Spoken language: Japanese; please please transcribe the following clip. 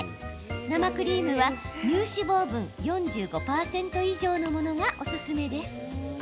生クリームは乳脂肪分４５％以上のものがおすすめです。